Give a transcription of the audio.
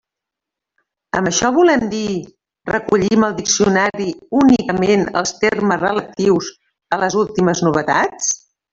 Amb això volem dir: recollim al diccionari únicament els termes relatius a les últimes novetats?